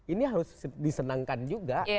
ini harus disenangkan juga